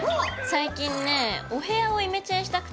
最近ねお部屋をイメチェンしたくて。